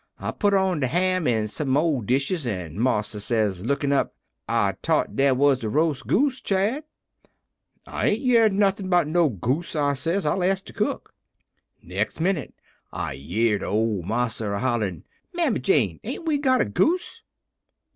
I put on de ham an' some mo' dishes, an' marsa says, lookin' up: "'I t'ought dere was a roast goose, Chad.' "'I ain't yerd nothin' 'bout no goose,' I says, 'I'll ask de cook.' "Next minute I yerd old marsa a hollerin': "'Mammy Jane, ain't we got a goose?'